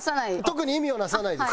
特に意味をなさないです。